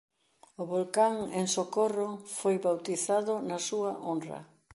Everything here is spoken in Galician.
O volcán en Socorro foi bautizado na súa honra.